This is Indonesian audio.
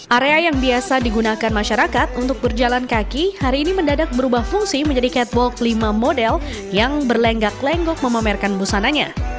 area yang biasa digunakan masyarakat untuk berjalan kaki hari ini mendadak berubah fungsi menjadi catwalk lima model yang berlenggak lenggok memamerkan busananya